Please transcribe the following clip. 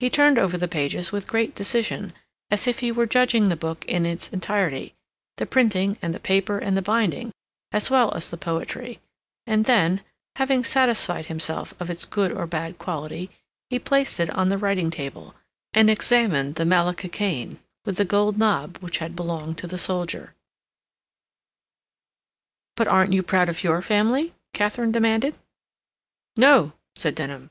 He turned over the pages with great decision, as if he were judging the book in its entirety, the printing and paper and binding, as well as the poetry, and then, having satisfied himself of its good or bad quality, he placed it on the writing table, and examined the malacca cane with the gold knob which had belonged to the soldier. "But aren't you proud of your family?" Katharine demanded. "No," said Denham.